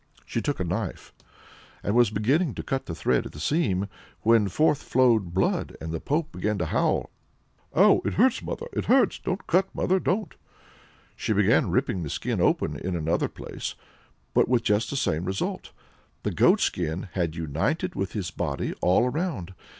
She took a knife, and was beginning to cut the thread at the seam, when forth flowed blood, and the pope began to howl: "Oh! it hurts, mother, it hurts! don't cut mother, don't cut!" She began ripping the skin open in another place, but with just the same result. The goatskin had united with his body all round.